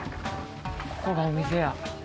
ここがお店や。